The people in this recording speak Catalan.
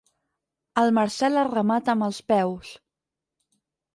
El Marcel el remata amb els peus.